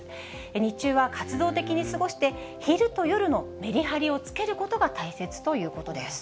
日中は活動的に過ごして、昼と夜のメリハリをつけることが大切ということです。